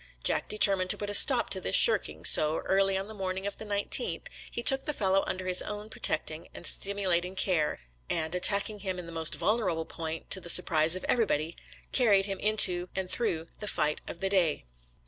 Jack determined to put a stop to this shirking, so, early on the morning of the 19th, he took the fellow under his own protecting and stimulating care, and, at tacking him in the most vulnerable point, to the surprise of everybody, carried him into and through the fight of that day.